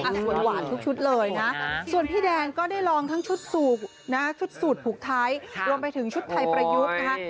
หวานทุกชุดเลยนะส่วนพี่แดงก็ได้ลองทั้งชุดสูตรนะชุดสูตรผูกไทยรวมไปถึงชุดไทยประยุกต์นะคะ